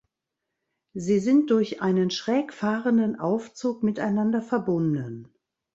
Sie sind durch einen schräg fahrenden Aufzug miteinander verbunden.